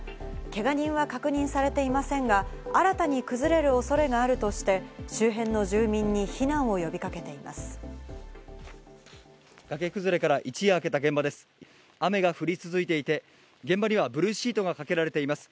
けが人は確認されていませんが、新たに崩れる恐れがあるとして、周辺の住民に避難を呼びかけています。